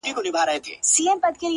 ستا وه ځوانۍ ته دي لوگى سمه زه!!